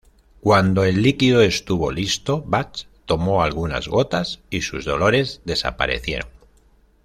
Cuando el líquido estuvo listo, Bach tomó algunas gotas y sus dolores desaparecieron.